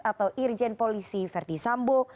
atau irjen polisi verdi sambo